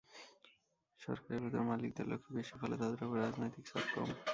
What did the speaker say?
সরকারের ভেতর মালিকদের লোকই বেশি, ফলে তাদের ওপর রাজনৈতিক চাপ কম।